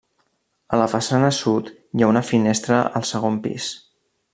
A la façana sud hi ha una finestra al segon pis.